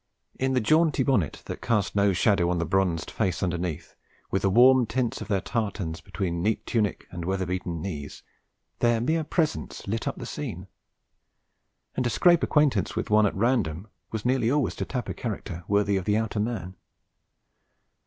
In the jaunty bonnet that cast no shadow on the bronzed face underneath, with the warm tints of their tartans between neat tunic and weather beaten knees, their mere presence lit up the scene; and to scrape acquaintance with one at random was nearly always to tap a character worthy of the outer man.